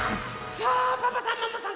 さあパパさんママさん